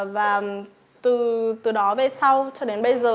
và từ đó về sau cho đến bây giờ